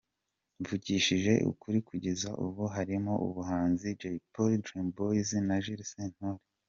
Mvugishije ukuri kugeza ubu harimo umuhanzi Jay Polly, Dream Boys na Jules Sentore.